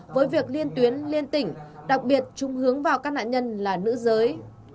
với việc liên tuyến liên tỉnh đặc biệt trung hướng vào các nạn nhân là nữ giới